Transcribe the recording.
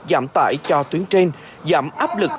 giảm tải cho tuyến trên giảm áp lực